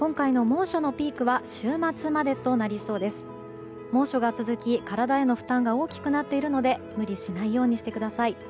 猛暑が続き体への負担が大きくなっているので無理しないようにしてください。